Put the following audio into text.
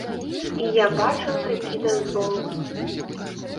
І я бачыў такі дазвол.